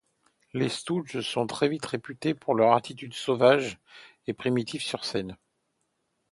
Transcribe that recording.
Les Stooges sont très vite réputés pour leur attitude sauvage et primitive sur scène.